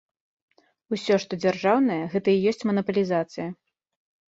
Усё, што дзяржаўнае, гэта і ёсць манапалізацыя.